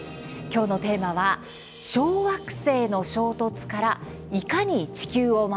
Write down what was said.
今日のテーマは小惑星の衝突からいかに地球を守るか。